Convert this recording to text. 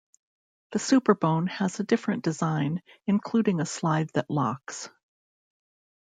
The Superbone has a different design, including a slide that locks.